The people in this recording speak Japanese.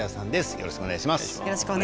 よろしくお願いします。